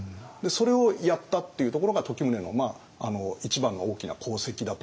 それをやったっていうところが時宗の一番の大きな功績だと思いますね。